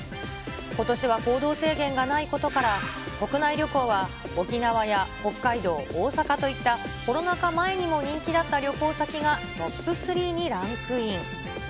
ことしは行動制限がないことから、国内旅行は沖縄や北海道、大阪といったコロナ禍前にも人気だった旅行先がトップ３にランクイン。